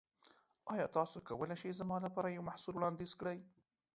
ایا تاسو کولی شئ زما لپاره یو محصول وړاندیز کړئ؟